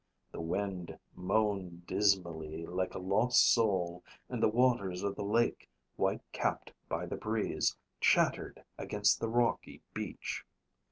The wind moaned dismally like a lost soul and the waters of the lake, white capped by the breeze, chattered against the rocky beach.